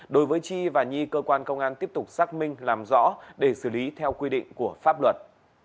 đối với chi và nhi cơ quan công an tiếp tục xác minh làm rõ để xử lý theo quy định của pháp luật